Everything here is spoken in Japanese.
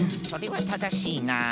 それはただしいな。